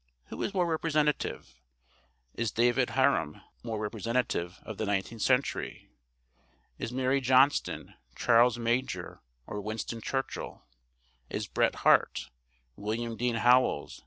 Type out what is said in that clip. Who is more representative? Is David Harum more representative of the nineteenth century? Is Mary Johnston, Charles Major, or Winston Churchill? Is Bret Harte? William Dean Howells?